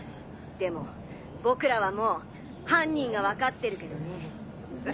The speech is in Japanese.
でも僕らはもう犯人が分かってるけどね。